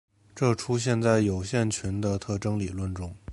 这出现在有限群的特征理论中。